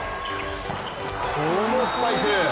このスパイク。